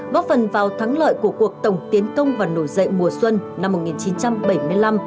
góp phần vào thắng lợi của cuộc tổng tiến công và nổi dậy mùa xuân năm một nghìn chín trăm bảy mươi năm